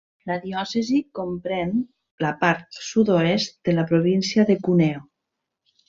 La diòcesi comprèn la part sud-oest de la província de Cuneo.